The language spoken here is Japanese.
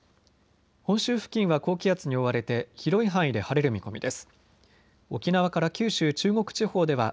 本州付近は高気圧に覆われて広い範囲で晴れる見込みです。